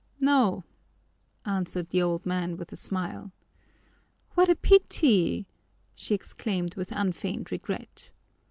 "No," answered the old man with a smile. "What a pity!" she exclaimed with unfeigned regret.